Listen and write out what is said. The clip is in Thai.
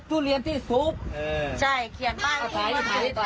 คือกินได้